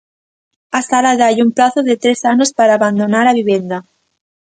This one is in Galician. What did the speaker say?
A sala dálle un prazo de tres anos para abandonar a vivenda.